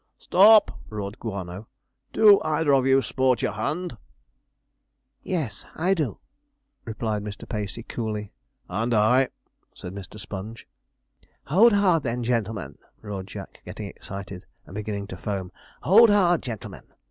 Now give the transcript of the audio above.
'Stop!' roared Guano, 'do either of you sport your hand?' 'Yes, I do,' replied Mr. Pacey coolly. 'And I,' said Mr. Sponge. 'Hold hard, then, gen'lemen!' roared Jack, getting excited, and beginning to foam. 'Hold hard, gen'lemen!'